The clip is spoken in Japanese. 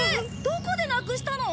どこでなくしたの？